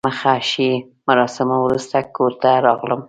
د مخه ښې مراسمو وروسته کور ته راغلم.